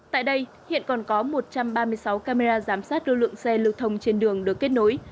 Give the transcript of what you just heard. tại đây hiện còn có một trăm ba mươi sáu camera giám sát lưu lượng xe lưu thông trên đường được kết nối